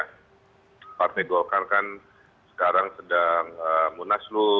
karena partai golkar kan sekarang sedang munasabah